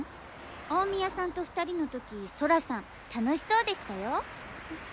大宮さんと２人の時ソラさん楽しそうでしたよ。